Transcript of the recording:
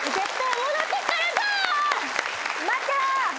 待ってろ！